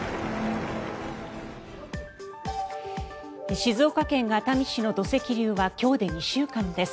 静岡県熱海市の土石流は今日で２週間です。